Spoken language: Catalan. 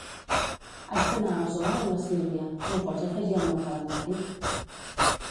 Haig d'anar al Zoo amb la Sílvia; m'ho pots afegir al meu calendari?